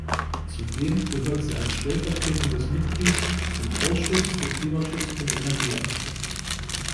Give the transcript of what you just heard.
Zudem gehört sie als stellvertretendes Mitglied dem Ausschuss für Klimaschutz und Energie an.